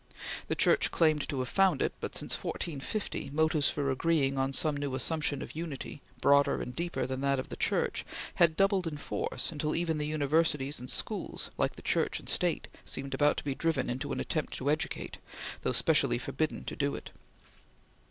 The Church claimed to have found it, but, since 1450, motives for agreeing on some new assumption of Unity, broader and deeper than that of the Church, had doubled in force until even the universities and schools, like the Church and State, seemed about to be driven into an attempt to educate, though specially forbidden to do it.